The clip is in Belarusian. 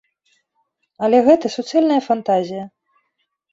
Але гэта суцэльная фантазія.